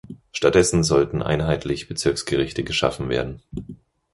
Stattdessen sollten einheitlich Bezirksgerichte geschaffen werden.